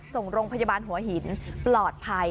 ส่งโรงพยาบาลหัวหินปลอดภัย